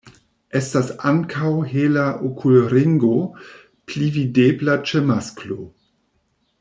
Estas ankaŭ hela okulringo, pli videbla ĉe masklo.